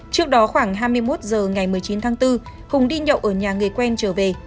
trước đó khoảng hai mươi một h ngày một mươi chín tháng bốn hùng đi nhậu ở nhà người quen trở về